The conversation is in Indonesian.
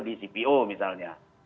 di cpo misalnya